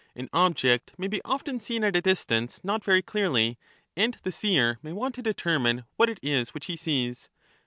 An object may be often seen at a distance not very clearly, and the seer may want to determine what it is which he sees.